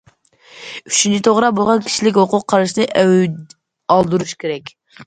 ئۈچىنچى، توغرا بولغان كىشىلىك ھوقۇق قارىشىنى ئەۋج ئالدۇرۇش كېرەك.